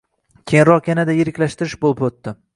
Keyinroq yanada «yiriklashtirish» bo‘lib o‘tdi